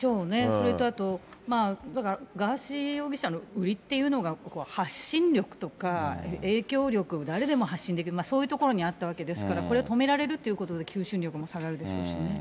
それとあと、だからガーシー容疑者の売りっていうのが発信力とか、影響力を誰でも発信できる、そういうところにあったわけですから、これを止められるってことで求心力も下がるでしょうしね。